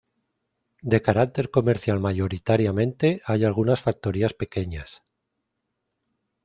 De carácter comercial mayoritariamente, hay algunas factorías pequeñas.